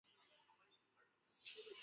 我们现在就将科技纳入故事之中。